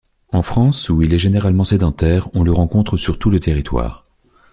En France, où il est généralement sédentaire, on le rencontre sur tout le territoire.